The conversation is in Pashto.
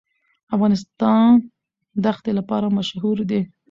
افغانستان د ښتې لپاره مشهور دی.